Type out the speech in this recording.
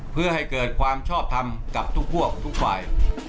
เพื่อให้เกิดความชอบทำกับทุกพวกทุกฝ่าย